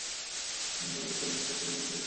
গুয়াহাটিতে, ভূমিকম্প তিন মিনিট পর্যন্ত ছিল।